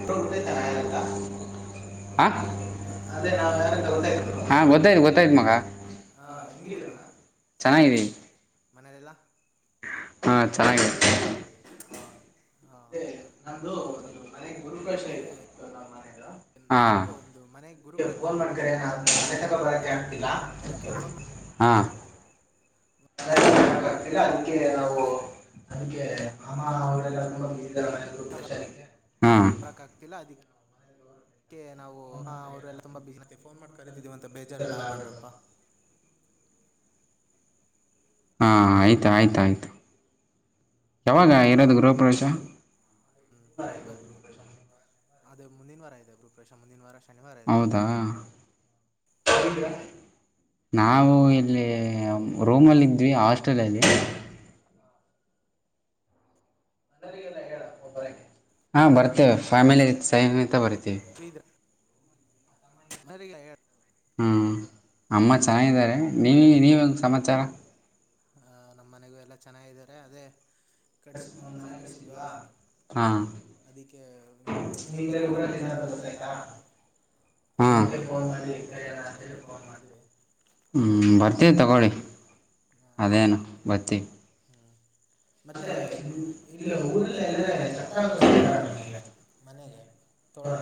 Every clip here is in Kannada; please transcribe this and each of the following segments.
ಬ್ರೋ ಗೊತ್ತಾಯ್ತಾ ನಾ ಯಾರಂತ ಹ ಅದೇ ನಾವು ಯಾರಂತ ಗೊತ್ತಾಯ್ತಾ ಬ್ರೋ ಹಾ ಗೊತ್ತಾಯ್ತ್ ಗೊತ್ತಾಯ್ತ್ ಮಗ. ಹಾಂ ಚೆನ್ನಾಗಿದಿನಿ. ಮನೆಲೆಲ್ಲ. ಹ ಚೆನ್ನಾಗಿದೀವಿ. ಹಾ ನಮ್ದು ಒಂದು ಮನೆ ಗುರುಪ್ರವೇಶ ಅದೇ ಇತ್ತು ನಮ್ ಮನೆ [inaudible] ಹಾ ಒಂದು ಮನೆ ಅದಕ್ಕೆ ಗುರುಪ್ರವೇಶ ಫೋನ್ ಮಾಡಿ ಕಾರ್ಯನ ಅಂತ ಮನೆತಕ ಬರಕೆ ಇತ್ತು ಆಗ್ತಿಲ್ಲ. ಅದಕ್ಕೆ ಫೋನ್ ಹಾಂ [unintelligible] ಅಲ್ಲ ಅದಕ್ಕೆ ಮನೆ ನಾವು. ಅದಿಕ್ಕೆ ಮಾಮ ಅವರೆಲ್ಲ ತುಂಬ ಬಿಸಿ ಇದರೆ ಮನೆ ಗುರುಪ್ರವೇಶ ಅದಿಕ್ಕೆ. ಕ ಆಗ್ತಿಲ್ಲ ಅದಿಕ್ಕೆ. ಅದಿಕ್ಕೆ ನಾವು ಅವ್ರಲ್ಲ ತುಂಬಾ ಬಿಸಿ ಮತ್ತೆ ಫೋನ್ ಮಾಡಿ ಕರೀತಿದೀವಂತ ಬೇಜಾರ್ಲ್ಲ ಆಗ್ಬೇಡ್ರಪ್ಪಾ. ಹಾಂ ಆಯ್ತು ಆಯ್ತು ಆಯತು ಯಾವಾಗ ಇರೋದು ಗೃಹಪ್ರವೇಶ. ಹ್ಮ್ ಮತ್ ಬ ಅದೇ ಮುಂದಿನ ವಾರ ಇದೆ ಗುರುಪ್ರವೇಶ ಮುಂದಿನ ವಾರ. ಶನಿವಾರ ಇದೆ ಹೌದಾ. ನಾವು ಇಲ್ಲಿ ರೋಮಲ್ಲಿ ಇದ್ವಿ ಹಾಸ್ಟೆಲಲ್ಲಿ. ಹಾ ಬರ್ತೇವೆ ಫ್ಯಾಮಿಲಿ ಸ ಕಿದ್ರಾ. [unintelligible] ಹಾಂ ಅಮ್ಮ ಚೆನ್ನಾಗಿದ್ದಾರೆ ನೀವು ನೀವುಂಗೆ ಸಮಾಚಾರ. ಹ ನಮ್ಮ್ ಮನೆಗೂ ಎಲ್ಲ ಚೆನ್ನಾಗಾರೆ ಅದೇ. ಕಟ್ಸಿದ್ ಒಂದು ಮನೆ ಕಟ್ಸಿದ್ವಾ ಹಾಂ ಅದಕ್ಕೆ. ನೀನ್ ಬೇರೆ ಊರಲ್ಲಿ ಇಲ್ಲ ಅಂತ ಗೊತ್ತಾಯ್ತಾ. ಹಾಂ ಅದಕ್ಕೆ ಫೋನ್ ಮಾಡಿ ಕರಯೋಣ ಅಂತೇಳಿ ಫೋನ್ ಮಾಡಿದ್ವಿ ಹ್ಞೂ ಬರ್ತೀವಿ ತಗೊಳ್ಳಿ ಅದೇನು ಬರ್ತೀವಿ. ಹ್ಞೂ ಮತ್ತೆ ಇಲ್ಲ ಊರಲ್ಲ ಎಲ್ಲರ ಚಪ್ಪ್ರ ಹಾಕರ್ ಸಿಗತ್ತಾರ ನಿಮಗೆ ಮನೆಗೆ ತೋರಣ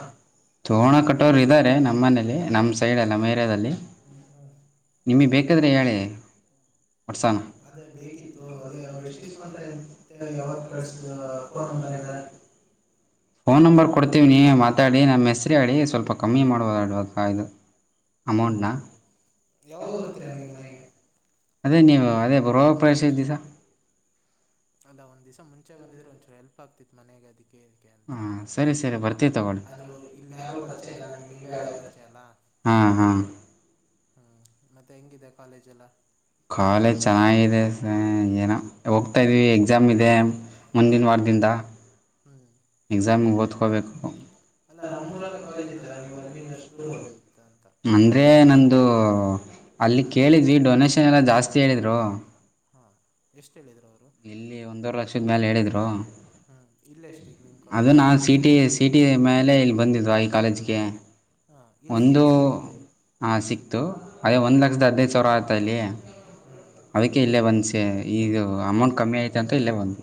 ತೋರಣ ಕಟ್ಟೋರು ಇದಾರೆ ನಮ್ಮ ಮನೇಲಿ ನಮ್ಮ್ ಸೈಡ್ ಎಲ್ಲ ನಮ್ಮ್ ಏರ್ಯಾದಲ್ಲಿ ಹು ಹು ಬೇಕಾಗಿಲ್ಲ ಕೊಡ್ಸೋಣ ಅದೇ ಬೇಕಿತ್ತು ಅದೇ ಅವ್ರು ಎಷ್ಟಿಸ್ಕೊಂತಾರೆ ಎಂತೆ ಯಾವತ್ತು ಕಳಸ ಫೋನ್ ನಂಬರ್ ಏನಾರ [inaudible] ಫೋನ್ ನಂಬರ್ ಕೊಡ್ ಕೊಡತೀವನಿ ಮಾತಾಡಿ ನಮ್ಮ ಹೆಸ್ರ ಹೇಳಿ ಸ್ವಲ್ಪ ಕಮ್ಮಿ ಮಾಡಬೋದು ಇದು ಆಡವಾ ಅಮೌಂಟ್ನಾ ಯಾವಗ ಇರ್ತೀರಾ ನೀವು ಮನೆಗೆ ಅದೇ ನೀವು ಅದೇ ಬರುವಾಗ ಪ್ರವೇಶ ದಿವಸ್ ಅಲ್ಲ ಒಂದ ದಿವಸ ಮುಂಚೆ ಬಂದಿದ್ರೆ ಒಂಚೂರು ಹೆಲ್ಪ್ ಆಗ್ತಿತ್ ಮನೆಗೆ ಅದಕ್ಕೆ ಹೇಳದೆ ಅದಿಕ್ಕೆ ಅಂತ ಹಾಂ ಸರಿ ಅದಕ್ಕೆ ಸರಿ ಬರ್ತೀವಿ ತಗೊಳ್ಳಿ ಅದು ಇಲ್ಲಿ ಯಾರು ಪರಿಚಯ ಇಲ್ಲ ನಮಗ್ ನೀವೇ ಹಳೆ ಪರಿಚಯ ಅಲ್ಲ ಹಾ ಹಾ ಹ್ಮ್ ಮತ್ತೆ ಹೆಂಗಿದೆ ಕಾಲೇಜ್ ಎಲ್ಲ ಕಾಲೇಜ್ ಚೆನ್ನಾಗಿದೆ ಸ ಏನ ಹೋಗ್ತಾ ಇದೀವಿ ಎಕ್ಸಾಮ್ ಇದೆ. ಮುಂದಿನ ವಾರದಿಂದ ಹ್ಮ್ ಎಕ್ಸಾಮಗೆ ಓದತ್ಕೋಬೇಕು ಅಲ್ಲ ನಮ್ಮ ನಮ್ಮೂರಲ್ಲೇ ಊರಾಗ ಕಾಲೇಜ್ ಕಾಲೇಜು ಇದೆ ಇತ್ತಲ್ಲ ನೀವು ಅಲ್ಲಿಗೆ ಅಷ್ಟು ದೂರ ಹೋಗ್ಬೇಕಿತ್ತ ಅಂತ [unintelligible] ಅದೇ ನಂದು ಅಲ್ಲಿ ಕೇಳಿದ್ವಿ ಡೊನೇಷನ್ ಎಲ್ಲ ಜಾಸ್ತಿ ಹೇಳಿದರು. ಹಾ ಎಷ್ಟು ಹೇಳಿದ್ರು ಅವ್ರು ಇಲ್ಲಿ ಒಂದೂವರೆ ಲಕ್ಷದ ಮೇಲೆ ಹೇಳಿದ್ರು ಹ್ಞೂ ಇಲ್ಲೇ ಎಷ್ಟು ಈಗ ನಿಮ್ಮ ಅದು ಕಾಲೇಜಲ್ಲಿ ನಾನ ಸೀಟ್ ಸಿಟಿ ಸಿಟಿ ಮೇಲೆ ಇಲ್ಲಿ ಬಂದಿದವ ಇಲ್ಲ ಕಾಲೇಜ್ಗೆ ಎಲ್ ಸಿ ಒಂದು ಟಿ ಸಿಕ್ಕಿ ಹಾಂ ಸಿಕ್ತು ಅದೇ ಒಂದು ಲಕ್ಷದ ಹದಿನೈದು ಸಾವಿರ ಆಯತ ಅಲ್ಲಿ ಹ್ಮ್ ಅದಕ್ಕೆ ಇಲ್ಲೇ ಬಂದು ಸ ಈಗ ಅಮೌಂಟ್ ಕಮ್ಮಿ ಆಯತ ಅಂತ ಇಲ್ಲೇ ಬಂದು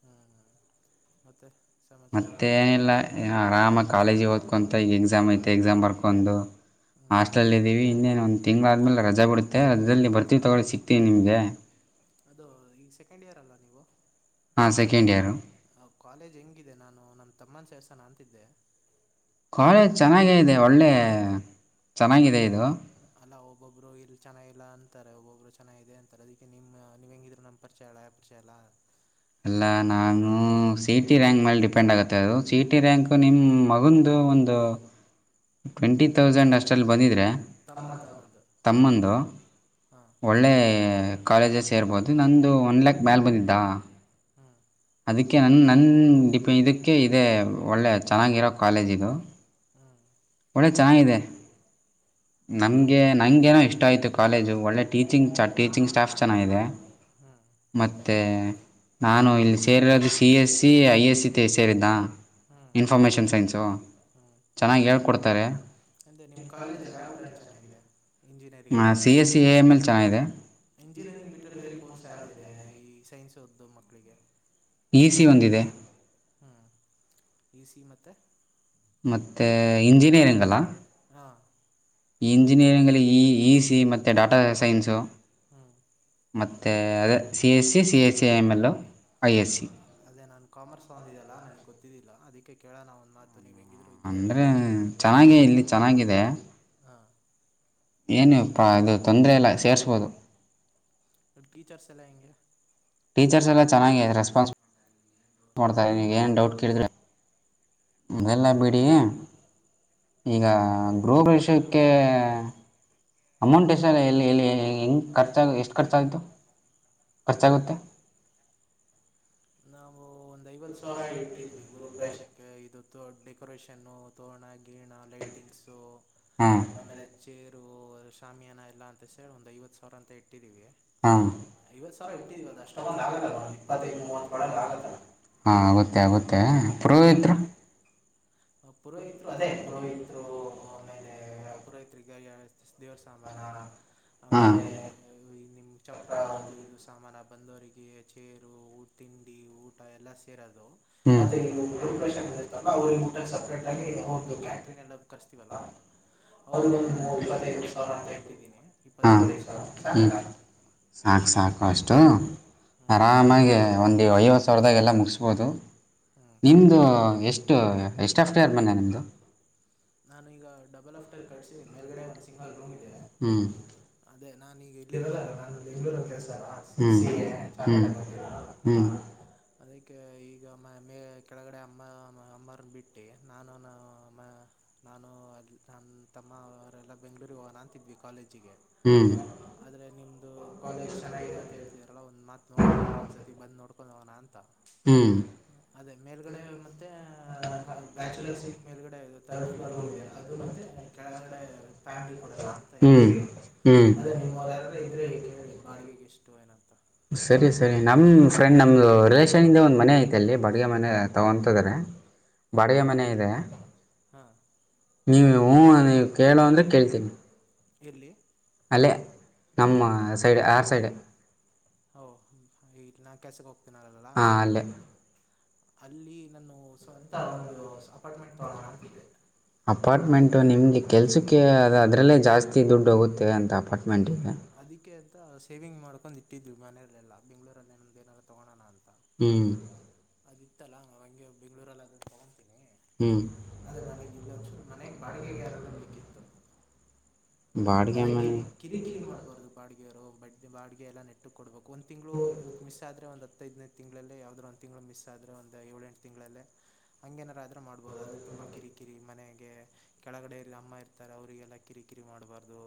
ಹ್ಮ್ ಹಾ ಮತ್ತೆ ಮತ್ತೇ ಏನಿಲ್ಲ ಆರಾಮಾಗಿ ಕಾಲೇಜಿಗೆ ಓದ್ಕೊಂತ ಈಗ ಎಕ್ಸಾಮ್ ಐತೆ ಎಕ್ಸಾಮ್ ಬರ್ಕೊಂಡು ಹ್ಞೂ ಹಾಸ್ಟಲ್ಲಲ್ಲಿ ಇದೀವಿ ಇನ್ನೇನು ಒಂದು ತಿಂಗಳ ಆದ್ಮೇಲೆ ರಜೆ ಬಿಡುತ್ತೆ ರಜದಲ್ಲಿ ಬರ್ತೀವಿ ತೊಗೊಳಿ ಸಿಕ್ತೀವಿ ನಿಮಗೆ ಅದು ಈಗ ಸೆಕೆಂಡ್ ಇಯರ್ ಅಲ್ಲ ನೀವು ಹಾ ಸೆಕೆಂಡ್ ಇಯರು ಕಾಲೇಜ್ ಹೆಂಗಿದೆ ನಾನು ನಮ್ಮ ತಮ್ಮನ ಸೇರ್ಸಾನ ಅಂತಿದ್ದೆ ಕಾಲೇಜ್ ಚೆನ್ನಾಗ ಇದೆ ಒಳ್ಳೆ ಚೆನ್ನಾಗಿದೆ ಇದು ಅಲ್ಲಾ ಒಬ್ಬೊಬ್ರು ಇಲ್ ಚೆನ್ನಾಗಿಲ್ಲ ಅಂತಾರೆ ಒಬ್ಬೊಬ್ಬರು ಚೆನ್ನಾಗಿದೆ ಅಂತಾರೆ ಅದಕ್ಕೆ ನಿಮ ನೀವ್ ಹೆಂಗಿದ್ರ ನಮ ಪರಚೆಲ ಪ್ರಚೆಲ ಎಲ್ಲ ನಾನು ಸಿಇಟಿ ರೆಂಕ್ ಮೇಲೆ ಡಿಪೆಂಡ್ ಆಗುತ್ತೆ ಅದು ಸಿಇಟಿ ರೆಂಕ್ ನಿಮ್ ನಿಮ ಮಗಂದು ಒಂದು ಟ್ವೆಂಟಿ ತೌಸಂಡ್ ಅಷ್ಟಲ್ಲಿ ಬಂದಿದರೆ ತಮ್ಮನ ತಮ್ಮಂದು ತಮ್ಮಂದು ಹಾಂ ಒಳ್ಳೆ ಕಾಲೇಜಸ್ ಸೇರ್ಬೋದು ನಂದು ಒನ್ ಲ್ಯಾಕ್ ಮೆಲ್ ಬಂದಿದ್ದ ಹಾ ಅದಕ್ಕೆ ನನ್ನ ನನ್ನ ಡಿಪೆ ಇದಕ್ಕೆ ಇದೇ ಒಳ್ಳೆ ಚೆನ್ನಾಗಿರೋ ಕಾಲೇಜ್ ಇದು ಹಾ ಒಳ್ಳೆ ಚೆನ್ನಾಗಿದೆ ಹ್ಞೂ ನಂಗೆ ನಂಗೆೇನೋ ಇಷ್ಟ ಆಯ್ತು ಕಾಲೇಜು ಒಳ್ಳೆ ಟೀಚಿಂಗ್ ಟೀಚಿಂಗ್ ಸ್ಟಾಫ್ ಚೆನ್ನಾಗಿದೆ ಮತ್ತೆ ನಾನು ಇಲ್ಲಿ ಸೇರಿರೋದು ಸಿ ಎಸ್ಸಿ ಐ ಎಸ್ಸಿ ಸೇರಿದ್ದ ಹ್ಞೂ ಹ್ಞೂ ಇನ್ ಇನ್ಫಮೇಷನ್ ಸೈನ್ಸು ಚೆನ್ನಾಗಿ ಹೇಳ್ಕೊಡ್ತಾರೆ ಅಂದ್ರೆ ನಿಮ್ಮ್ ಕಾಲೇಜಲ್ಲಿ ಯಾವ ಬ್ರಾಂಚ್ ಚೆನ್ನಾಗಿದೆ ಇಂಜಿನಿಯರಿಂಗ್ ಅಲ್ಲಿ C S C A M L ಚೆನ್ನಾಗಿದೆ ಇಂಜಿನಿಯರಿಂಗ್ ಬಿಟ್ಟರೆೆ ಬೇರೆ ಕೋರ್ಸ್ ಯಾವುದಿದೆ ಈ ಸೈನ್ಸ್ ಹ ಓದ್ದು ಮಕ್ಕಳಿಗೆ ಇ ಈ ಸಿ ಈಸಿ ಒಂದಿದೆ ಹ್ಞ ಈ ಸಿ ಮತ್ತೆ ಮತ್ತೆ ಇಂಜಿನಿಯರಿಂಗ್ ಅಲ್ಲ ಹಾ ಇಂಜಿನಿಯರಿಂಗ್ ಅಲ್ಲಿ ಇ ಇ ಸಿ ಮತ್ತೆ ಡಾಟಾ ಸೈನ್ಸು ಹ್ಞೂ ಮತ್ತೆ ಅದೇ C S C C S C I M L I S C ಅದೇ ನಾನನ್ ಕಾಮರ್ಸ್ ಒಂದಿದೆಲ್ಲಾ ನನ್ಗೆ ಗೊತ್ತಿದ್ದಿಲ್ಲ ಅದಕ್ಕೆ ಕೇಳೋಣ ಒಂದ್ ಮಾತು ನೀವು ಹೆಂಗಿದ ಅಂದರೆ ಚೆನ್ನಾಗೆ ಇಲ್ಲಿ ಚೆನ್ನಾಗಿದೆ ಹಾಂ ಏನು ಪ ಅದು ತೊಂದರೆ ಇಲ್ಲ ಸೇರಿಸಬಹುದು ಟೀಚರ್ಸ್ ಎಲ್ಲಾ ಹೆಂಗೆ ಟೀಚರ್ಸ್ ಎಲ್ಲ ಚನ್ನಾಗಿದಾರೆ ರಿಸೊನ್ಪಾನ್ಸಿ ನೋಡ್ತಾಗ ಏನ್ ಡೌಟ್ ಕೇಳಿದ್ರೆ ಮಗೆಲ್ಲ ಬಿ ಹ್ಮ್ ಈಗ ಗೃಹಪ್ರವೇಶಕ್ಕೆ ಅಮೌಂಟ್ ಎಷ್ಟರ್ ಎಲ್ಲಿ ಎಲ್ಲಿ ಹೆಂಗೆ ಖರ್ಚಾಗ ಎಷ್ಟು ಖರ್ಚಾಯಿತು ಖರ್ಚಾಗುತ್ತೆ ನಾವು ಒಂದ್ ಐವತ್ ಸಾವಿರ ಇಟ್ಟಿದ್ವಿ ಗುರುಪ್ರವೇಶಕ್ಕೆ ಇದು ಡೆಕೋರೇಷನ್ನು ತೋಣ ಗಿಣ ಲೈಟಿಂಗ್ಸ ಹಾಂ ಆಮೇಲೆ ಚೇರ್ ಇ ಶಾಮಿಯನ ಇಲ್ಲಾ ಅಂತ ಹೇಳಿ ಒಂದ್ ಐವತ್ ಸಾವಿರ ಅಂತ ಇಟ್ಟಿದೀವಿ ಹಾಂ ಐವತ್ತು ಸಾವಿರ ಇಟ್ಟಿದೀವಿ ಅದು ಅಷ್ಟೊಂದು ಆಗೋಲ್ಲಲ್ಲ ಒಂದು ಇಪ್ಪತ್ತೈದು ಮೂವತ್ತರೊಳಗೆ ಆಗತ್ತಲ್ಲ ಹಾಂ ಆಗುತ್ತೆ ಆಗುತ್ತೆ ಪುರೋಹಿತರು ಪುರೋಹಿತ್ರು ಅದೇ ಪುರೋಹಿತರು ಮೇಲೆ ಪುರೋಹಿತ್ರಿಗೆ ದೇವ್ರ ಸಾಮಾನ ಹಾಂ ಆಮೇಲೆ ನಿಮ್ ಚಪ್ರ ಅದು ಇದು ಸಾಮಾನ ಬಂದವರಿಗೆ ಚೇರು ಊಟ ತಿಂಡಿ ಊಟ ಎಲ್ಲ ಸೇರಿ ಅದು ಹ್ಞೂ ಮತ್ತೆ ಈ ಗೃಹಪ್ರವೇಶಕ್ಕೆ ಬಂದಿರ್ತಾರಲ್ಲ ಅವ್ರಗ ಊ ಊಟಕ್ಕೆ ಸಪ್ರೇಟಾಗಿ ಅವ್ರದ್ದು ಕ್ಯಾಟ್ರಿನ್ ಎಲ್ಲ ಕರ್ಸ್ತೀವಲ್ಲ ಅವರಿಗೊಂದು ಮೂ ಇಪ್ಪತ್ತೈದು ಸಾವಿರ ಅಂತ ಇಟ್ಟಿದ್ದೀನಿ ಇಪ್ಪತ್ತ ಹಾಂ ಇಪ್ಪತ್ತೈದು ಸಾವಿರ ಸಾಕಲ್ಲ ಸಾಕು ಸಾಕು ಅಷ್ಟು ಹ್ಞೂ ಆರಾಮಾಗಿ ಒಂದು ಐವತ್ತು ಸಾವಿರದಾಗ ಎಲ್ಲ ಮುಗಿಸ್ಬೋದು ಹ್ಞೂ ನಿಮ್ಮದು ಎಷ್ಟು ಎಷ್ಟುಫ್ಟೇರ್ ಮನೆ ನಿಮ್ಮದು ನಾನು ಈಗ ಡಬಲ್ ಆಫ್ಟರ್ ಕಟಿಸಿದಿನಿ ಮೇಲ್ಗಡೆ ಒಂದು ಸಿಂಗಲ್ ರೂಮ್ ಇದೆ ಹ್ಮಞ ಅದೇ ನಾನು ಈಗ ಇಲ್ಲಿರಲ್ಲ ಅಲ್ಲ ನಾನು ಬೆಂಗಳೂರಲ್ಲಿ ಕೆಲಸ ಅಲ್ಲ ಸಿ ಎ ಹ್ಞೂ ಹ್ಞೂ ಹ್ಞೂ ಚಾರ್ಟೆಡ್ ಅಕೌಂಟ್ ಏನು ಅದಕ್ಕೆ ಈ ಈಗಮ್ಮ ಮೇ ಕೆಳಗಡೆ ಅಮ್ಮ ಅಮ್ಮ್ರನ್ನ ಬಿಟ್ಟು ನಾನು ನಾನು ಅಲ್ಲಿ ನನ್ನ ತಮ್ಮ ಅವರೆಲ್ಲ ಬೆಂಗಳೂರಿಗೆ ಹೋಗೋಣ ಅಂತಿದ್ವಿ ಕಾಲೇಜಿಗೆ ಹ್ಮ್ ಆದರೆ ನಿಮ್ದು ಕಾಲೇಜ್ ಚೆನ್ನಾಗಿದೆ ಅಂತ ಹೇಳ್ತಿದಾರಲ್ಲ ಒಂದು ಮಾತು ನೋಡೋಣ ಒಂದ್ಸರ್ತಿ ಬಂದು ನೋಡ್ಕೊಂಡು ಹೋಗೋಣ ಅಂತ ಹ್ಮ್ ಅದೇ ಮೇಲ್ಗಡೆ ಮತ್ತೆ ಹ ಬ್ಯಾಚುಲರ್ಸಿಗೆ ಮೇಲುಗಡೆ ಇದು ತಥರ್ಡ್ ಫ್ಲೋರ್ ರೂಮ್ ಇದಾರೆ ಅದು ಮತ್ತುತ್ತ ಕೆಳಗಡೆ ಫ್ಯಾಮ್ಲಿ ಕೊಡಲ್ಲ ಅಂತ ಹ್ಞೂ ಹ್ಞೂ ಇದ್ವಿ ಅದೇ ಹ್ಞೂ ನಿಮ್ಮವರು ಯಾರಾರ ಇದ್ರೆ ಕೇಳಿ ಬಾಡಿಗೆಗೆ ಎಷ್ಟು ಏನಂತ ಸರಿ ಸರಿ ನಮ್ ಫ್ರೆಂಡ್ ನಮ್ದು ರಿಲೇಷನ್ ಇಂದ ಒಂದ್ ಮನೆ ಐ ಎಲ್ಲಿ ಬಡಿಗೆ ಮನೆ ತಗೊತಾರೆ ಬಡಿಗೆ ಹಾಂ ಮನೆ ಇದೆ ಹಾಂ ನೀವು ಹಞ ನೀವು ಕೇಳುವ ಅಂದ್ರೆ ಕೇಳ್ತೀನಿ ಎಲ್ಲಿ ಅಲ್ಲೇ ನಮ್ಮ ಸೈಡ್ ಆರು ಸೈಡ್ ಹ ಇ ನಾ ಕ್ಯಾಶಗೆ ಹೋಗ್ತೇನಲ್ಲ ಹಾ ಅಲ್ಲೇ ಅಲ್ಲಿ ನ ಸೊ ಅಂತ ಒಂದು ಅಪಾರ್ಟ್ಮೆಂಟ್ ತಗೋಣ ಅಂತಿದ್ದೆ ಅಪಾರ್ಟ್ಮೆಂಟು ನಿಮಗೆ ಕೆಲಸಕ್ಕೆ ಅದು ಅದರಲ್ಲೇ ಜಾಸ್ತಿ ದುಡ್ಡು ಹೋಗುತ್ತೆ ಅಂತ ಅಪಾರ್ಟ್ಮೆಂಟಿಗೆ ಅದಕ್ಕೆ ಅಂತ ಸೇವಿಂಗ್ ಮಾಡ್ಕೊಂಡು ಇಟ್ಟಿದ್ವಿ ಮನೆಯಲ್ಲೆಲ್ಲ ಬೆಂಗ್ಳೂರಲ್ಲಿ ೇನಂದು ಏನಾದಾರೂ ತೊಗೋಣ ಅಂತ ಹ್ಮ್ ಅದಿತ್ತಲ್ಲ ನಾ ಹಂಗೆ ಬೆಂಗ್ಗಳೂರಲ್ಲಿ ಅದ ತಗೊಂತೀನಿ ಹ್ಮ್ ಆದದು ನನಗೆ ಇಲ್ಲೊಂದಸೂರು ಮನೆಗೆ ಬಾಡಿಗೆಗಾರರ ಬೇಕಿತ್ತು ಬಾಡಿಗೆ ಅದೇ ಕಿ ಮನೆ ಕಿರಿಕಿರಿ ಮಾಡ್ಬಾರ್ದು ಬಾಡಿಗೆವರು ಬ ಬಾಡಿಗೆ ಎಲ್ಲ ನೆಟ್ಟ ಕೊಡ್ಬೇಕು ಒಂದು ತಿಂಗಳು ಇ ಮಿಸ್ ಆದ್ರೆ ಒಂದು ಹತ್ತೈದನೇ ತಿಂಗಳಲ್ಲಿ ಯಾವ್ರು ಒಂದ ತಿಂಗಳು ಮಿಸ್ ಆದ್ರೆ ಒಂದ ಏಳೆಂು ತಿಂಗಳಲ್ಲಿಲ್ಲಿ ಹ ನಾರ್ರ ಮಾಡ್ಬಹುದು ಅ್ರೆ ತುಂಬಾ ಕಿರಿಕಿರಿ ಮನೆಗೆ ಕೆಳಗಡೆ ಇಲ್ಲಿ ಅಮ್ಮ ಇರ್ತಾರೆ ಅವರಿಗೆಲ್ಲ ಕಿರಿಕಿರಿ ಮಾಡಬಾರ್ದು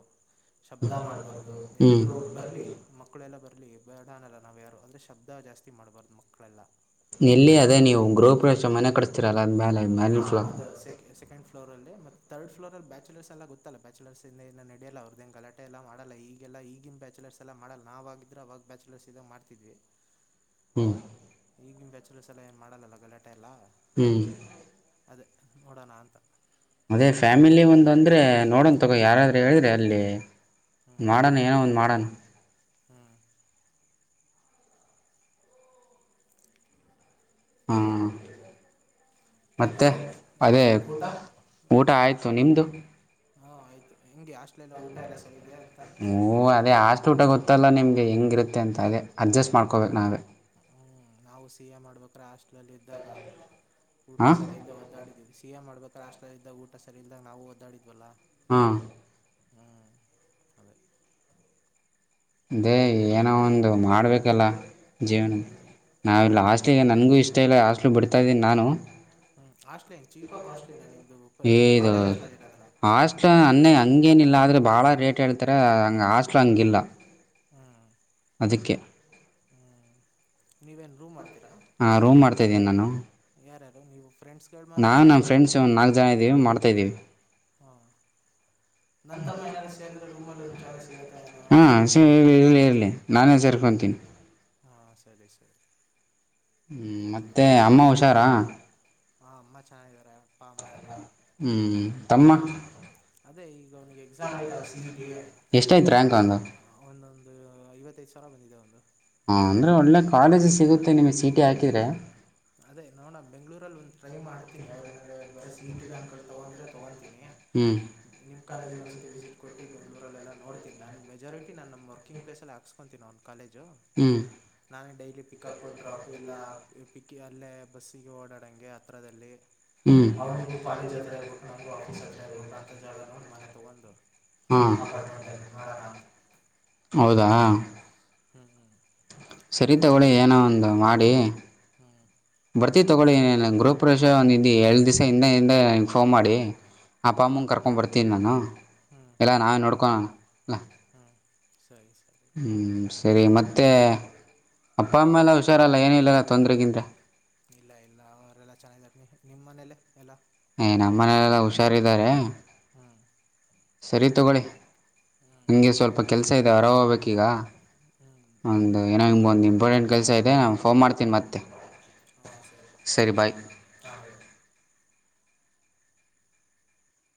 ಉದ ಮಾಡಬಾರ್ದು ಹ್ಞೂ ನೆಂಟರು ಬರಲಿ ಮಕ್ಕಳೆಲ್ಲ ಬರಲಿ ಬೇಡಾನಲ್ಲ ನಾವು ಯಾರು ಅಂದರೆ ಶಬ್ದ ಜಾಸ್ತಿ ಮಾಡಬಾರ್ದು ಮಕ್ಕಳೆಲ್ಲ ಎಲ್ಲಿ ಅದೇ ನೀವು ಗೃಹಪ್ರವೇಶ ಮನೆ ಕಿಸಸ್ತೀರಲ್ಲ ಅ ಆದ್ಮೇಲೆ ಮ್ಯಾಲಿ ಫ್ಲಾ ಸೆಕಂಡ್ ಫ್ಲೋ ಅಲ್ಲಿ ಮತ್ತ ತರ್ಡ್ ಫ್ಲೋರ್ ಅ ಬ್ಯಾಚಲರ್ ಎಲ್ಲ ಗೊತ್ತಲ್ಲ ಬ್ಯಾಚಲರ್ಸ್ಂದ ನಡೋಲ್ಲ ಅವ್ರದ ಕಲಾ ಎಲ್ಲ ಮಾಡಲ್ಲ ಈಗೆಲ್ಲ ಈಗಿನ ಬ್ಯಾಚುಲರ್ಸ್ ಎಲ್ಲ ಮಾಡಲ್ಲ ನಾವಗಿದ್ರೆ ಅವಾಗ ಬ್ಯಾಚುಲರ್ಸ್ ಇದಾಗ ಮಾಡ್ತಿದ್ವಿ [inaudible] ಹ್ಮ್ ಈಗಿನ ಬ್ಯಾಚುಲರ್ ಸಲ ಏನು ಮಾಡಲ್ಲ ಗಲಾಟೆ ಎಲ್ಲ ಹ್ಮ್ ಅದೇ ನೋಡೋಣ ಅಂತ ಅದೇ ಫ್ಯಾಮಿಲಿ ಒಂದ ಅಂದ್ರೆ ನೋಡನ್ ತಗೋ ಯಾರಾದ್ರೂ ಹೇಳ್ರೆ ಅಲ್ಲಿ ಮಾಡೋಣ ಏನೋ ಒಂದ್ ಮಾಡೋಣ ಹ್ಮ್ ಹ ಹಾ ಮತ್ತ ಅದೇ ಫೋಟೋ ಊಟ ಆಯಿತು ನಿಮ್ಮದು ಹಾ ಆಯ್ತು ಹೆಂಗೆ ಆಷ್ಟಟ್ಲೆಲ್ಲ ಊಟ ಎಲ್ಲ ಸರಿ ಇದೆಯಾ ಎಂಥ ಹ್ಞೂ ಅದೇ ಆಾು ಊಟ ಗೊತ್ತಲ್ಲ ನಿಮಗೆ ಹೆಂಗಿರುತ್ತೆ ಅಂತ ಅದೇ ಅಡ್ಜಸ್ಟ್ ಮಾಡ್ಕೋಬೇಕು ನಾವೇ ಹ್ಮ ನಾವು ಸಿಹಾ ಮಾಡ್ಬೇಕ್ರೆ ಹಾಸ್ಟ್ಲಲ್ಲಿ ಇದ್ದಾಗ ಊಟ ಹಾಂ ಸರಿ ಇಲ್ಲದೆ ಒದ್ದಾಡಿದ್ದೀವಿ ಸಿ ಿಯ ಮಾಡಬೇಕಲ್ಲ ಅಷ್ಟಲ್ಲ್ದಾಗ ಊಟ ಸರಿ ಇಲ್ಲದಾಗ ನಾವುಓದ್ದಾಡಿದ್ವಲ್ಲ ಹಾ ಹಾ ಅದೇ ಅೇ ಏನೋ ಒಂದು ಮಾಡ್ಬೇಕಲ್ಲ ಜೀವನ ಹ್ಮ್ ನಾ ಹ್ಮ್ ಲಾಸ್ಟ್ ಟಿ ಗ್ ಆ ಲಾಸ್ಟಿಗೆ ನನಗೆ ಇಷ್ಟ ಇಲ್ಲ ಬಿಡುತ್ತಿದ್ದೇನೆ ನಾನು ಬರ್ತಾ ಇದೆ ನಾನು. ಹ್ಮ್ ಆಸ್ಟ್ಲಿ ಹಂಗ ಚೀಪ ಕಾಸ್ಟ್ಲಿ ನ ಏ ನಿಮ್ದುಮ್ ಇದು ಕಾಲೇಜ್ ಅಸ್ಟ್ಲಲ್ಲಿ ಇರೋದಲ್ಲ. ಹಾಸ್ಟ್ಲ್ ಅನ್ನೇ ಹಂಗೇನಿಲ್ಲ ಆದರೆ ಭಾಳ ರೇಟ್ ಹೇಳ್ತಾರೆ ಹಂಗೆ ಹಾಸ್ಟ್ಲ್ ಹಂಗಿಲ್ಲ. ಹಾ. ಅದಕ್ಕೆ. ಹ್ಞ ನೀವೇನು ರೂಮ್ ಮಾಡ್ತೀರಾ. ಹಾಂೂ್ತಾಿದ್ದೀನಿ ನಾನು. ಯಾರ್ಯಾರು ನೀವು ಫ್ರೆಂಡ್ಸ್. ನಾನ್ ನಮ್ಮ ಫ್ರೆಂಡ್ಸ್ ಒಂದ್ ನಾಲ್ಕ್ ಜನ ಇದೀವಿ ಮಾಡ್ತಾ ಇದೀವಿ. ಹಾ. ರೂಮಲ್ಲಿ ಒಂದು ಜಾಗ ಸಿಗುತ್ತೆ ಏನೋ ಹಾ ಸ ಅಂತ ಇ ಇರಲಿ. ನಾನೇ ಸೇರ್ಕೊತೀನಿ. ಹಾ ಸರಿ ಸರಿ. ಹ್ಮ ಮತ್ತೆ ಅಮ್ಮ ಹುಷಾರಾ. ಹಾ ಅಮ್ಮ ಚೆನ್ನಾಗಿದ್ದಾರೆ ಅಪ್ಪ ಅಮ್ಮ ಎಲ್ಲ. ಹ್ಮ. ಅದೇ ಈಗ ಅವನಿಗೆ ಎಕ್ಸಾಮ್ ಆಯ್ತಲ್ಲ ಸಿ ಇಟಿ. ಎಷ್ಟಾಯ್ತು ರ್ಯಾಂಕ್ ಅವನದು ಹ ಒಂದೊಂದು ಐವತ್ತೈದು ಸಾವಿರ ಬಂದಿದೆ ಒಂದು. ಹಾ ಅಂದ್ರೆ ಒಳ್ಳೆ ಕಾಲೇಜ್ ಸಿಗುತ್ತೆ ನಿಮಗೆ ಸೀಟಿ ಹಾಕಿದ್ರೆ. ಅದೇ ನೋಡ ಬೆಂಗಳೂರುಬೆಂಗ್ಳೂರಲಒಂದ್ ಟ್ರೈ ಮಾಡ್ತೀನಿ ಅವ್ ಏನಾರಾರೆ. ಬರೀ ಸೀಟ್ ಇರ ಅಂಕಲ್ ತಗೊಂಡ್ರೆ ತಗೊತಿನಿ ಹ್ಞೂ ನಿಮ್ಮ್ ಕಾಲೇಜ್ ಒಂದ್ಸತಿ ವಿಸಿಟ್. ಕೊೋಿ ಬೆಂಗಳೂರಲ್ಲ ನೋಡ್ತೀಿ ನನ್ನ ಮೆಜಾರಿಟ ನಮ್ಮ ವರ್ಕಿಂಗ್ಲೇಸಲ್ಲಿ ವರ್ಕಿಂಗ್ ವರ್ಕಿಂಗ್ ಪ್ಲೇಸ್ ಅಲ್ಲಿ ಹಾಕುಸ್ಕೊಲತೀನಿ ನನ್ನ ಕಾಲೇಜು. ಹ್ಮ್ ನಾನೇ ಡೈಲಿ ಪಿಕಪ್ ಡ್ರಾಪ್ ಇಲ್ಲ. ಪಕ್ಕಿ ಅಲ್ಲೇ ಬಸ್ಸಿಗೆ ಓಡಾಡಂಗೆ ಹತ್ರಿರದಲ್ಲಿ. ಹ್ಮ್ ಅವ್ನಿಗೂ ಕಾಲೇಜ್ ಹತ್ತತ್ರ ಇರಬೇಕು ನನಗೂ ಆಫೀಸ್ ಹತ್ತತ್ರ ಇರಬೇಕು ಅಂತ ಜಾಗ ನೋಡಿ ಮನೆ ತೊಗೊಂಡು. ಹಾ ಅಪಾರ್ಟ್ಮೆಂಟಲ್ಲಿ ಮಾಡೋಣ ಅಂತ. ಹೌದಾ. ಹ್ಮ್ ಹ್ಮ್ ಹ್ಮ. ಸರ ತಗಳಿ ಏನೋ ಒಂದು ಮಾಡಿ ಹ್ಮ. ಬರ್ತೀವಿ ತೊಗೊಳ್ಳಿ ಗೃಹಪ್ರವೇಶಒಂದುಿದ್ದು ಎರಡು ದಿವಸ ಹಿಂದೆ ಹಿಂದೆ ನನಗೆ ಫೋನ್ ಮಾಡಿ. ಹ್ಞೂ ಆಪ್ಪ ಅಮ್ಮಂಗೆ ಕರ್ಕೊಂಡ್ ಬರ್ತೀನಿ ನಾನು ಇಲ್ಲ ನಾವೇ ನೋಡ್ಕೊ. ಹಾಂ ಸರಿ ಸರಿ. ಹ್ಞೂ ಸರಿ ಮತ್ತೆ ಅಪ್ಪ ಅಮ್ಮೆಲ್ಲ ಹುಷಾರಲ್ಲ ಏನಿಲ್ಲಲ್ಲ ತೊಂದರೆಗಿಿಂದರೆ. ಇಲ್ಲ ಇಲ್ಲ ಅವರೆಲ್ಲಾ ಚೆನ್ನ ನಿಮ್ಮ ಮನೇಲ್ಲ ಎಲ್ಲ. ಏ್ ನಮ್ಮ ಮನಲೆಲ್ಲಾ ಹುಷಾರಿದ್ದಾರೆ. ಹಾ. ಸರಿ ತಗೊಳ್ಳಿ ಹ್ಞೂ ಹಗೆ ಸ್ವಲ್ಪ ಕೆಲ್ಸ ಇದೆ ಹೊರ ಹೋಗ್ಬೇಕೀಗ. ಹ್ಞೂ ಒಂದು ಏನೋ ನಿಮ್ೊಂದು ಇಂಪಾರ್ಟೆಂಟ್ ಕೆಲಸ ಇದೆ ನಾನು ಫೋನ್ ಮಾಡತೀನಿ ಮತ್ತೆ. ಹಾಂ ಸರಿ ಹಾ ಬಾಯಿ